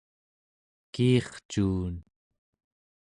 kiircuun